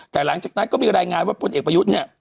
แต่หลังจากนั้นก็มีรายงานว่าพลเอกประยุทธ์เนี่ย